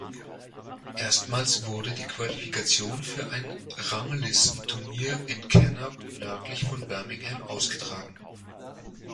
Erstmals wurde die Qualifikation für ein Ranglistenturnier in Cannock nördlich von Birmingham ausgetragen.